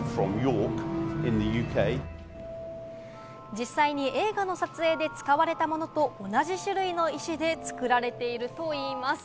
実際に映画の撮影で使われたものと同じ種類の石で作られているといいます。